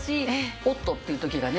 「おっと！」っていう時がね。